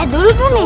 eh dulu tuh nih